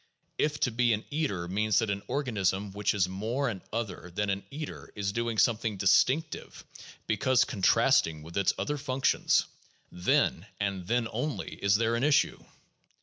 If to be an eater means that an organism which is more and other than an eater is doing something distinctive, because contrasting with its other functions, then, and then only, is there an issue.